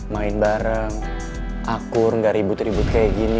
main bareng akur gak ribut ribut kayak gini